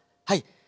はい。